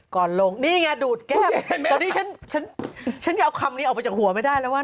ก่อนลงนี่ไงดูดแก้มตอนนี้ฉันฉันจะเอาคำนี้ออกไปจากหัวไม่ได้แล้วว่า